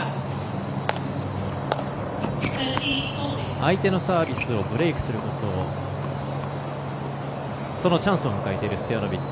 相手のサービスをブレークするチャンスを迎えているストヤノビッチ。